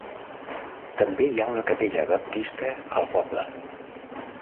També hi ha una capella baptista al poble.